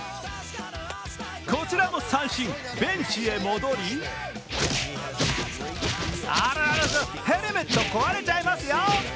こちらも三振、ベンチへ戻りあらら、ヘルメット壊れちゃいますよ！